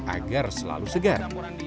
agar selalu segar